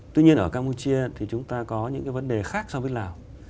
tuy nhiên ở campuchia thì chúng ta có những cái vấn đề khác so với lào